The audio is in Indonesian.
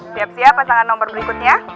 siap siap pasangan nomor berikutnya